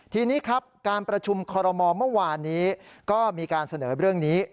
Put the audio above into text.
ทีนี้ครับการประชุมคอรมอลเมื่อวานนี้ก็มีการเสนอเรื่องนี้